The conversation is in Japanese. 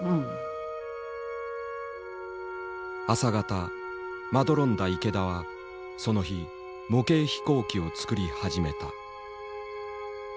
朝方まどろんだ池田はその日模型飛行機を作り始めた。